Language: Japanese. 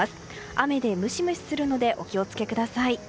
雨でムシムシするのでお気を付けください。